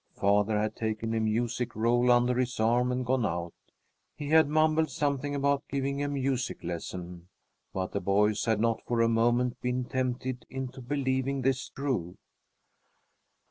Father had taken a music roll under his arm and gone out. He had mumbled something about giving a music lesson, but the boys had not for a moment been tempted into believing this true.